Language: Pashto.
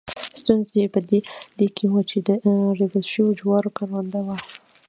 ستونزه یې په دې کې وه چې دا د ریبل شوو جوارو کرونده وه.